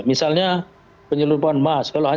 misalnya penyelidikan mas